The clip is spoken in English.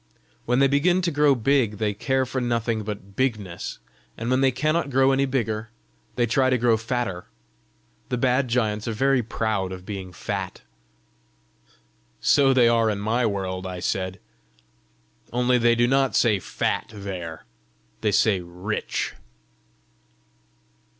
When they begin to grow big they care for nothing but bigness; and when they cannot grow any bigger, they try to grow fatter. The bad giants are very proud of being fat." "So they are in my world," I said; "only they do not say FAT there, they say RICH."